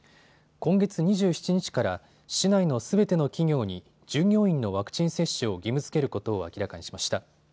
今月２７日から市内のすべての企業に従業員のワクチン接種を義務づけることを明らかにしました。